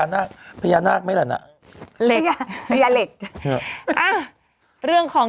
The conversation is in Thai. ไม่พญานาคนั่นเหล็กเลย